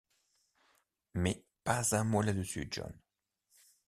Mais pas un mot là-dessus, John.